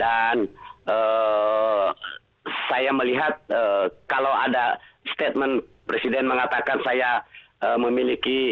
dan saya melihat kalau ada statement presiden mengatakan saya memiliki hak saya tidak akan menggunakan hak